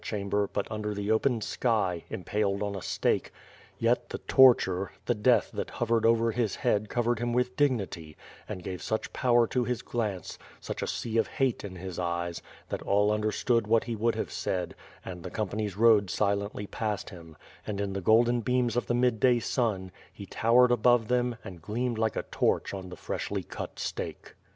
29 1 chamber but under the open sky, impaled on a stake; yet the torture, the death that hovered over his head covered him with dignity, and gave such power to his glance, such a sea of hate in his eyes, that all understood what he would have said, and the companies rode silently past him; and, in the golden beams of the midday sun, he towered above them, and gleamed like a torch on the freshly cut stake.